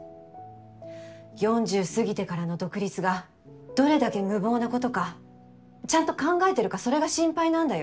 ４０過ぎてからの独立がどれだけ無謀なことかちゃんと考えてるかそれが心配なんだよ。